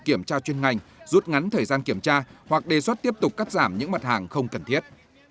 kiểm tra chuyên ngành rút ngắn thời gian kiểm tra hoặc đề xuất tiếp tục cắt giảm những mặt hàng không cần thiết